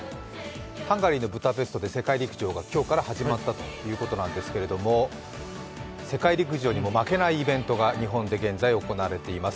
ハンガリーのブダペストで世界陸上が今日から始まったということなんですけれども世界陸上にも負けないイベントが日本で現在行われています。